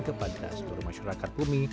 kepada seluruh masyarakat bumi